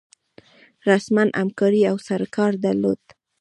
رسما همکاري او سروکار درلود.